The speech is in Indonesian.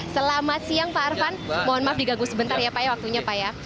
selamat siang pak arfan mohon maaf digagus sebentar ya pak ya waktunya pak ya